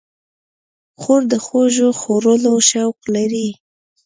خور د خوږو خوړلو شوق لري.